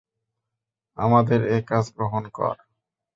আমাদের এ কাজ গ্রহণ কর।